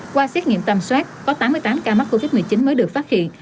qua xét nghiệm tầm soát có tám mươi tám ca mắc covid một mươi chín mới được phát hiện